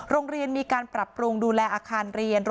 โรงเรียนมีการปรับปรุงดูแลอาคารเรียน